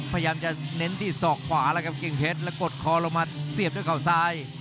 พยายามจะเน้นที่ศอกขวาแล้วครับกิ่งเพชรแล้วกดคอลงมาเสียบด้วยเขาซ้าย